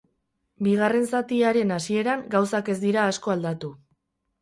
Bigarren zatiaren hasieran gauzak ez dira asko aldatu.